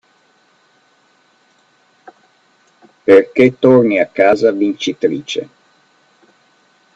Perché torni a casa vincitrice.